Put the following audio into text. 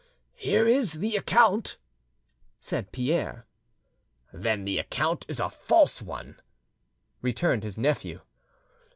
"Here is the account," said Pierre. "Then the account is a false one," returned his nephew.